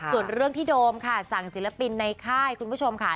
ส่วนเรื่องที่โดมค่ะสั่งศิลปินในค่ายคุณผู้ชมค่ะ